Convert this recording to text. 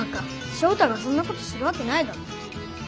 ショウタがそんなことするわけないだろ。